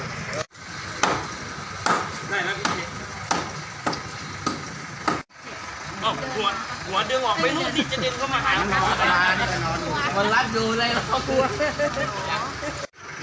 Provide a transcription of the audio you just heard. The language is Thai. อืมอืมอืม